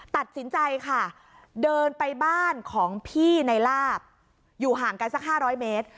ตัดสินใจค่ะเดินไปบ้านของพี่ในลาบอยู่ห่างกันสัก๕๐๐เมตร